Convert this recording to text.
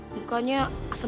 mukanya asem banget